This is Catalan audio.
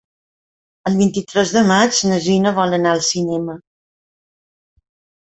El vint-i-tres de maig na Gina vol anar al cinema.